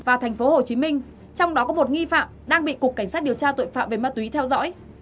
và hồ chí minh trong đó có một nghi phạm đang bị cục cảnh sát điều tra tội phạm về ma túy theo dõi